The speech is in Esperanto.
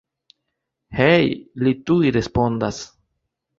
Hej, li tuj respondas.